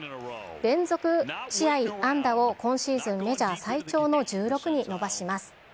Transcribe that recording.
連続試合安打を今シーズンメジャー最長の１６に伸ばします。